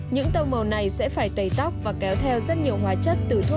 những tông màu này sẽ phải tẩy tóc và kéo theo rất nhiều hóa chất